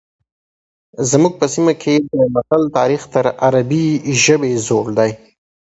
زموږ په سیمه کې د متل تاریخ تر عربي ژبې زوړ دی